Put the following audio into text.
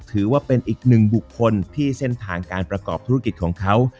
ถือว่าเป็นอีกหนึ่งบุคคลที่เส้นทางการประกอบธุรกิจของเขา